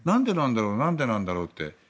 何でなんだろうって。